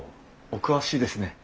お詳しいですね。